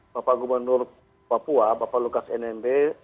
bapak gubernur papua bapak lukas nmb